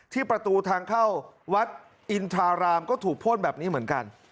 ประตูทางเข้าวัดอินทรารามก็ถูกพ่นแบบนี้เหมือนกัน